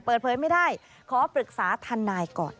เปิดเผยไม่ได้ขอปรึกษาทนายก่อน